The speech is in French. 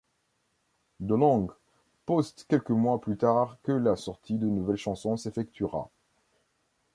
DeLonge poste quelques mois plus tard que la sortie de nouvelles chansons s'effectuera.